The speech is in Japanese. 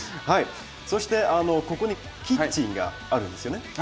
そしてここにキッチンがあるんですよね？